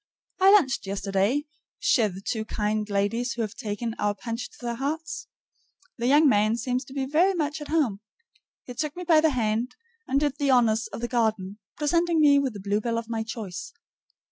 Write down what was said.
I lunched yesterday CHEZ the two kind ladies who have taken our Punch to their hearts. The young man seems to be very much at home. He took me by the hand, and did the honors of the garden, presenting me with the bluebell of my choice.